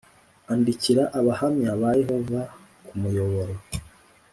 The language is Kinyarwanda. Andikira abahamya ba yehova ku muyoboro